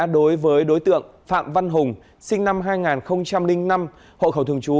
đối với đối tượng phạm văn hùng sinh năm hai nghìn năm hộ khẩu thường trú